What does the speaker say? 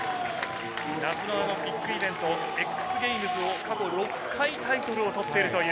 夏のビッグイベント、ＸＧＡＭＥＳを過去６回タイトルを取っているという。